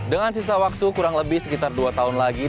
dengan sisa waktu kurang lebih sekitar dua tahun lagi